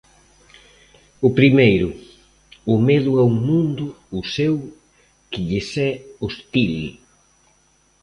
O primeiro, o medo a un mundo, o seu, que lles é hostil.